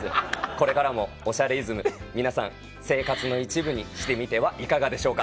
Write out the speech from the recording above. これからも『おしゃれイズム』皆さん生活の一部にしてみてはいかがでしょうか？